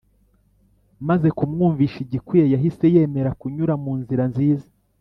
Maze kumwumvisha igikwiye yahise yemera kunyura mu nzira nziza